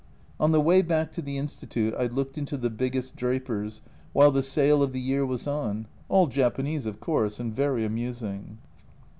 On the way back to the Institute I looked into the biggest drapers while the sale of the year was on all Japanese of course, and very amusing.